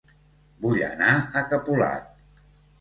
Vull anar a Capolat